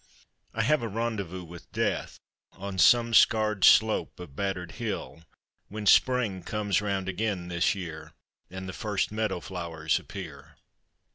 I have a rendezvous with Death On some scarred slope of battered hill, When Spring comes round again this year And the first meadow flowers appear.